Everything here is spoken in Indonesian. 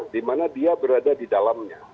di mana dia berada di dalamnya